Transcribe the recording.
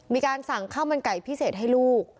มีการสั่งข้าวมันไก่พิเศษให้ลูก